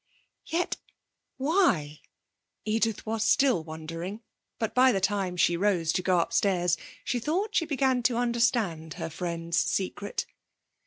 Yet why? Edith was still wondering, but by the time she rose to go upstairs she thought she began to understand her friend's secret.